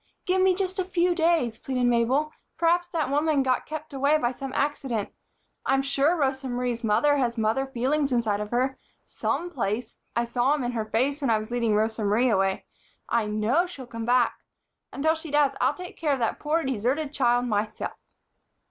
"Give me just a few days," pleaded Mabel. "Perhaps that woman got kept away by some accident. I'm sure Rosa Marie's mother has mother feelings inside of her, some place I saw 'em in her face when I was leading Rosa Marie away. I know she'll come back. Until she does, I'll take care of that poor deserted child myself."